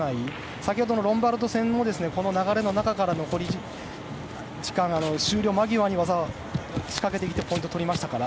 先ほどのロンバルド戦もこの流れの中から残り時間終了間際にポイントを取りましたから。